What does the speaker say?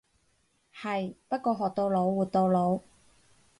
係，不過學到老活到老。